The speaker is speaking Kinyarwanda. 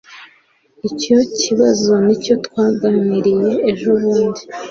icyo kibazo nicyo twaganiriye ejobundi